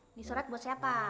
ini surat buat siapa